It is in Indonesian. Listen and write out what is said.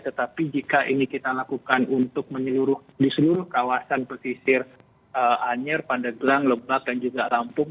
tetapi jika ini kita lakukan untuk di seluruh kawasan pesisir anyer pandeglang lebak dan juga lampung